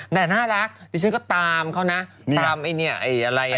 แต่น่ารักดิสนี่ลักษณ์ก็ตามเขานะตามไอเนี่ยไออะไรอ่ะ